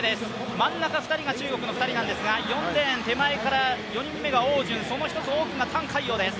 真ん中２人が中国の２人なんですが４レーン手前から２つ目が汪順、その１つ奥が覃海洋です。